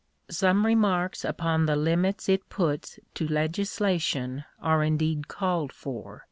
Some remarks upon the limits it puts to legislation are indeed called for.